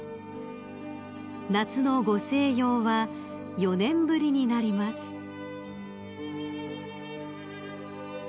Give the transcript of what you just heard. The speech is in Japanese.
［夏のご静養は４年ぶりになります］ねえ。